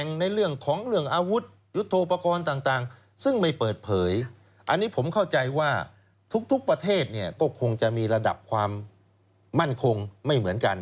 ทางกองต่างซึ่งไม่เปิดเผยอันนี้ผมเข้าใจว่าทุกประเทศเนี่ยก็คงจะมีระดับความมั่นคงไม่เหมือนกัน